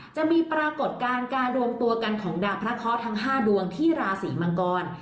ปรากฏการณ์การรวมตัวกันของดาวพระเคาะทั้ง๕ดวงที่ราศีมังกร